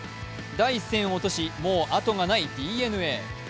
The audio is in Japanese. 第１戦を落とし、もう後がないＤｅＮＡ。